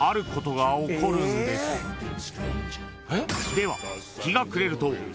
［では］